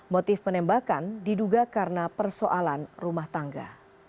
motif penembakan diduga karena persoalan rumah tangga